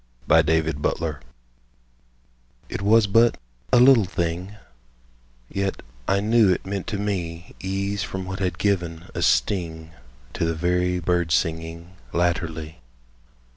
THE PEACE OFFERING IT was but a little thing, Yet I knew it meant to me Ease from what had given a sting To the very birdsinging Latterly.